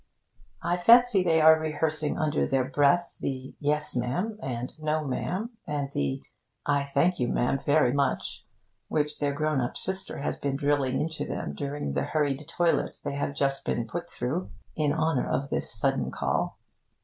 I fancy they are rehearsing under their breath the 'Yes, ma' am,' and the 'No, ma'am,' and the 'I thank you, ma'am, very much,' which their grown up sister has been drilling into them during the hurried toilet they have just been put through in honour of this sudden call.